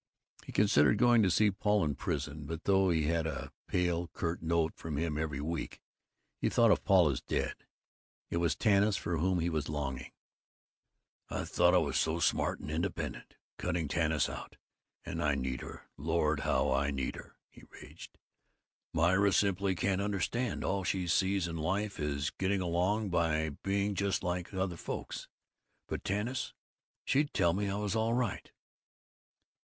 He considered going to see Paul in prison, but, though he had a pale curt note from him every week, he thought of Paul as dead. It was Tanis for whom he was longing. "I thought I was so smart and independent, cutting Tanis out, and I need her, Lord how I need her!" he raged. "Myra simply can't understand. All she sees in life is getting along by being just like other folks. But Tanis, she'd tell me I was all right."